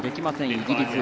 イギリス。